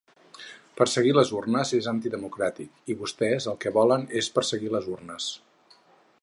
Perseguir les urnes és antidemocràtic i vostès el que volen és perseguir les urnes.